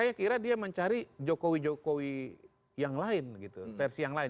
jadi saya kira dia mencari jokowi jokowi yang lain gitu versi yang lain